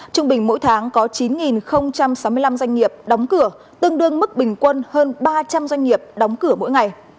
trung bình mỗi tháng có chín sáu mươi năm doanh nghiệp đóng cửa tương đương mức bình quân hơn ba trăm linh doanh nghiệp đóng cửa mỗi ngày